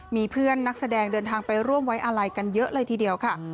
มีเพื่อนนักแสดงเดินทางไปร่วมไว้อาลัยกันเยอะเลยทีเดียวค่ะ